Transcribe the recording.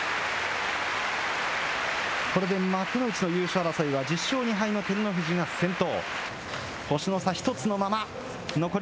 これで幕内の優勝争いは１０勝２敗の照ノ富士が先頭。